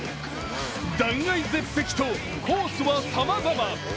断崖絶壁とコースはさまざま。